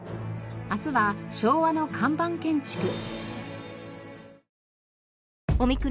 明日は昭和の看板建築。